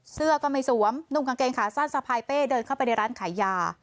เสื้อก็ไม่สวมนุ่งกางเกงขาสั้นสะพายเป้เดินเข้าไปในร้านขายยา